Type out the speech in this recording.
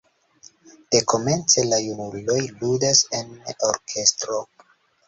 Dekomence la junuloj ludas en orkestro.